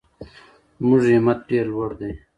زموږ همت ډېر لوړ دی.